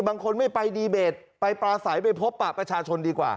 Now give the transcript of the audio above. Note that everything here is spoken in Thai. บางคนไม่ไปดีเบตไปปราศัยไปพบปะประชาชนดีกว่า